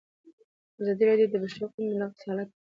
ازادي راډیو د د بشري حقونو نقض حالت په ډاګه کړی.